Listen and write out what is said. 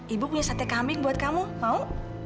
ibu punya sate kambing buat kamu mau